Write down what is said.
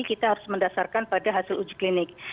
kita harus mendasarkan pada hasil uji klinik